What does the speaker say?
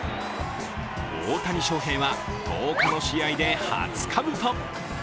大谷翔平は１０日の試合で初かぶと。